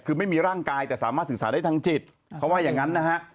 คือไม่มีร่างกายแต่สามารถศึกษาได้ทางจิตเขาว่าอย่างนั้นนะฮะ